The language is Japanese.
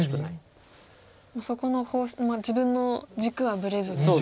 そこの自分の軸はぶれずに。